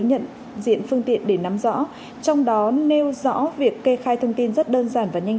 nhận diện phương tiện để nắm rõ trong đó nêu rõ việc kê khai thông tin rất đơn giản và nhanh